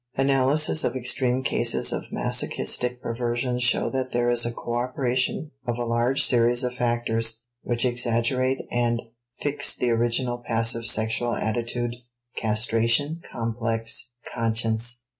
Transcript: Analysis of extreme cases of masochistic perversions show that there is a coöperation of a large series of factors which exaggerate and fix the original passive sexual attitude (castration complex, conscience).